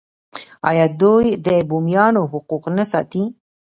آیا دوی د بومیانو حقوق نه ساتي؟